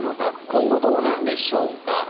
今後、どうなんでしょうか。